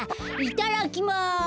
いただきます！